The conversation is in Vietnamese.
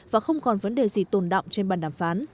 và không còn vấn đề gì tồn động trên bàn đàm phán